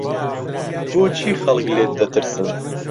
بۆچی خەڵک لێت دەترسن؟